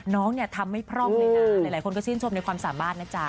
น้องเนี่ยทำไม่พร่องเลยนะหลายคนก็ชื่นชมในความสามารถนะจ๊ะ